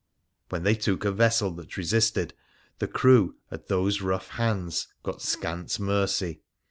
When they took a vessel that resisted, the crew, at those rough hands, got scant mercy.